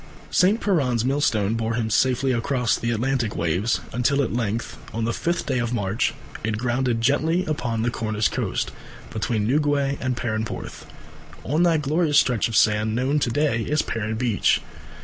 St. Piran's millstone bore him safely across the Atlantic waves until at length on the fifth day of March it grounded gently upon the Cornish coast, between Newquay and Perranporth, on that glorious stretch of sand known to day as Perran Beach.